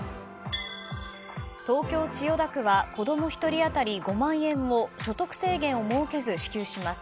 東京・千代田区は子供１人当たり５万円を所得制限を設けず支給します。